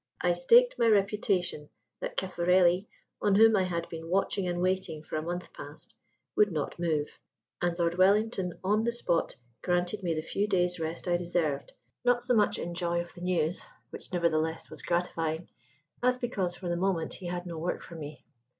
I staked my reputation that Caffarelli (on whom I had been watching and waiting for a month past) would not move. And Lord Wellington on the spot granted me the few days' rest I deserved not so much in joy of the news (which, nevertheless, was gratifying) as because for the moment he had no work for me.